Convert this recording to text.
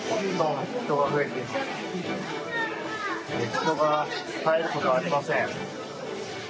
人が絶えることはありません。